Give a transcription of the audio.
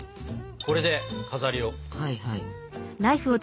これで飾りを。